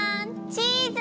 チーズ！